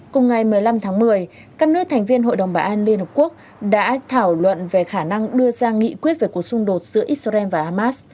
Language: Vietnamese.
cùng ngày một mươi năm tháng một mươi các nước thành viên hội đồng bảo an liên hợp quốc đã thảo luận về khả năng đưa ra nghị quyết về cuộc xung đột giữa israel và hamas